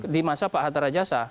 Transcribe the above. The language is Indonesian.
di masa pak hatta rajasa